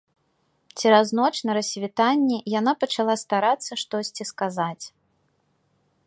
Цераз ноч на рассвітанні яна пачала старацца штосьці сказаць.